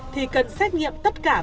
thì cần xét nghiệm tất cả các trẻ